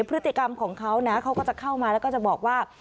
พฤติกรรมของเขานะเขาก็จะเข้ามาแล้วก็จะบอกว่า